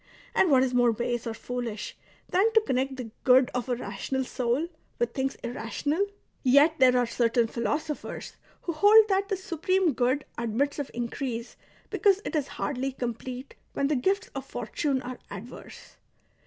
And what is more base or foolish than to connect the good of a rational soul with things irrational ? Yet there are certain philosophers who hold that the Supreme Good admits of increase because it is hardly complete when the gifts of fortune are adverse."